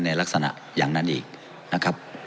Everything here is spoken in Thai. ในลักษณะอย่างนั้นอีกนะครับ